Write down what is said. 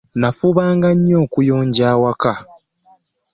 Nnafubanga nnyo okuyonja awaka.